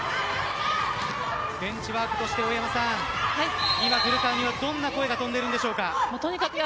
ベンチワークとして今、古川にはどんな声が飛んでいるんでしょうか？